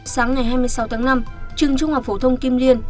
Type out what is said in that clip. sáng ngày hai mươi sáu tháng năm trường trung học phổ thông kim liên